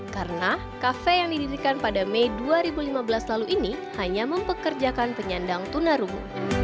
karena kafe yang didirikan pada mei dua ribu lima belas lalu ini hanya mempekerjakan penyandang tuna rungu